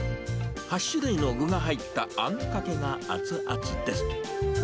８種類の具が入ったあんかけが熱々です。